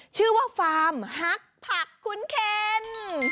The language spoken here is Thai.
ชื่อว่าฟาร์มฮักผักคุ้นเคน